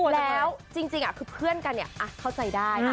แล้วจริงคือเพื่อนกันเข้าใจได้